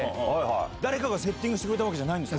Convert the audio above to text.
誰かがセッティングしてくれたわけじゃないんですか。